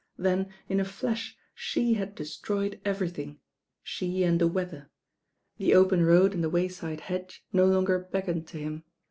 Then in a flash she had destroyed everything — she and the weather. The open road and the wayside hedge no longer beckoned to him.